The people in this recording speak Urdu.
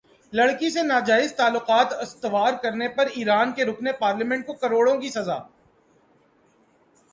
لڑکی سے ناجائز تعلقات استوار کرنے پر ایران کے رکن پارلیمنٹ کو کوڑوں کی سزا